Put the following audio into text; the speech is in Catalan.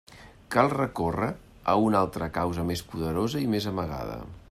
Cal recórrer a una altra causa més poderosa i més amagada.